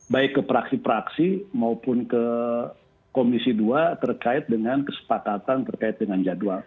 baik ke praksi praksi maupun ke komisi dua terkait dengan kesepakatan terkait dengan jadwal